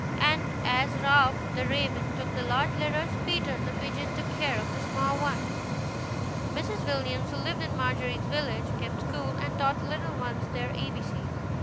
And as Ralph, the raven, took the large letters, Peter, the pigeon, took care of the small ones. Mrs. Williams, who lived in Margery's village, kept school, and taught little ones their A B C's.